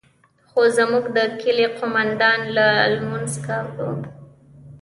خو زموږ د کلي قومندان لا لمونځ کاوه.